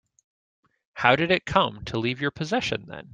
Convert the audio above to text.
How did it come to leave your possession then?